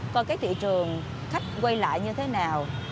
coi cái thị trường khách quay lại như thế nào